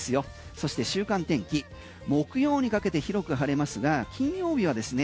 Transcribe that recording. そして週間天気木曜にかけて広く晴れますが金曜日はですね